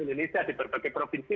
indonesia di berbagai provinsi